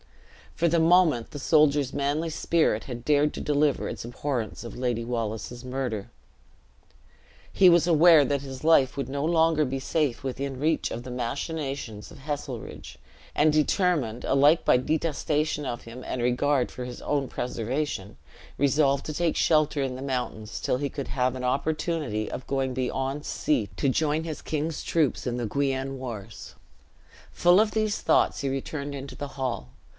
For the moment the soldier's manly spirit had dared to deliver its abhorrence of Lady Wallace's murder, he was aware that his life would no longer be safe within reach of the machinations of Heselrigge; and determined, alike by detestation of him and regard for his own preservation, resolved to take shelter in the mountains, till he could have an opportunity of going beyond sea to join his king's troops in the Guienne wars. Full of these thoughts he returned into the hall.